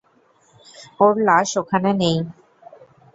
ওর লাশ ওখানে নেই।